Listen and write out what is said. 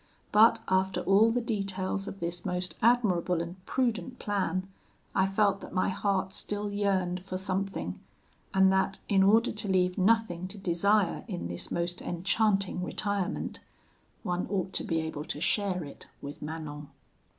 But after all the details of this most admirable and prudent plan, I felt that my heart still yearned for something; and that in order to leave nothing to desire in this most enchanting retirement, one ought to be able to share it with Manon.